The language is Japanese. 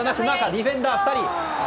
ディフェンダー２人。